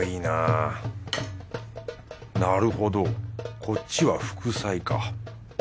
なるほどこっちは副菜か。